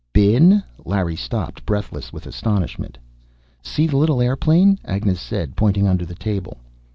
"Been " Larry stopped, breathless with astonishment. "See the little airplane," Agnes said, pointing under the table.